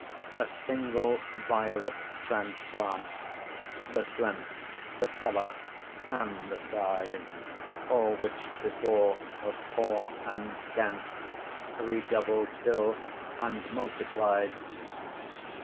A single violet transplant, The strength, the colour, and the size, (All which before was poore, and scant,) Redoubles still, and multiplies.